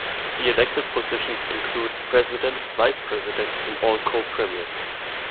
The elected positions include the President, Vice-President, and all Co-Premiers.